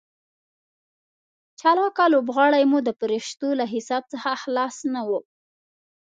چالاکه لوبغاړي مو د فرښتو له حساب څخه خلاص نه وو.